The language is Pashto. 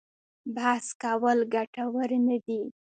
بحث کول ګټور نه دي.